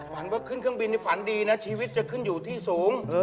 ฝันว่าขึ้นเครื่องบินฝันดีนะชีวิตจะขึ้นอยู่ที่สูง